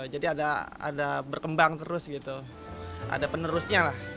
jadi ada berkembang terus ada penerusnya